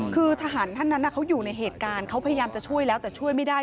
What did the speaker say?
คือทหารท่านนั้นเขาอยู่ในเหตุการณ์เขาพยายามจะช่วยแล้วแต่ช่วยไม่ได้